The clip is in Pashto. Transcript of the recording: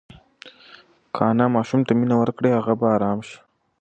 که انا ماشوم ته مینه ورکړي، هغه به ارام شي.